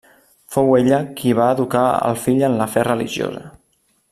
Fou ella qui va educar al fill en la fe religiosa.